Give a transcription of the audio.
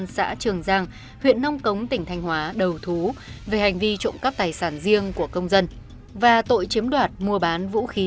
xin chào và hẹn gặp lại